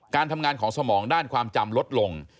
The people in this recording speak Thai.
การทำงานของสมองด้านความจำลดลง